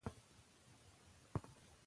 آیا ته پوهېږي چې خپلواکي څه ارزښت لري؟